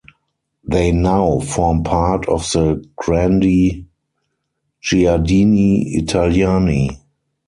They now form part of the Grandi Giardini Italiani.